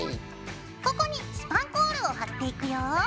ここにスパンコールを貼っていくよ。